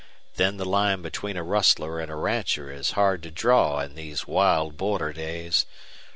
Then the line between a rustler and a rancher is hard to draw in these wild border days.